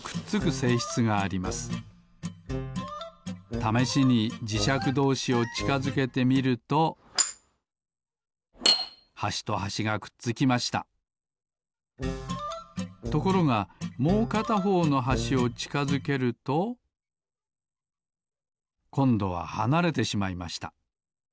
ためしにじしゃくどうしをちかづけてみるとはしとはしがくっつきましたところがもうかたほうのはしをちかづけるとこんどははなれてしまいました。